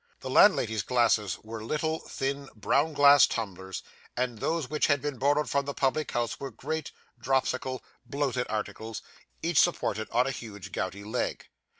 The landlady's glasses were little, thin, blown glass tumblers, and those which had been borrowed from the public house were great, dropsical, bloated articles, each supported on a huge gouty leg.